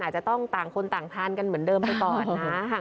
อาจจะต้องต่างคนต่างทานกันเหมือนเดิมไปก่อนนะ